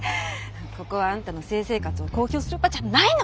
ここはあんたの性生活を公表する場じゃないの。